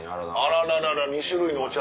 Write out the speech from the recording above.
あらららら２種類のお茶